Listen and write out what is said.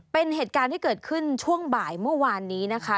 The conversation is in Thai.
เป็นเหตุการณ์ที่เกิดขึ้นช่วงบ่ายเมื่อวานนี้นะคะ